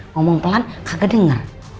ngomong pelan kagak denger